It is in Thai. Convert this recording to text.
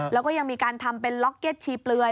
แล้วก็ยังมีการทำเป็นล็อกเก็ตชีเปลือย